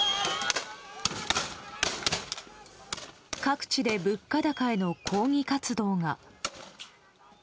各地で物価高への抗議活動が。